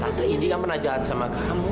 tante indi yang menajakan sama kamu